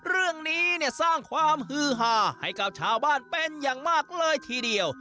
เรื่องนี้เนี่ยสร้างความฮือหาให้กับชาวบ้านเป็นอย่างมากเลยทีเดียว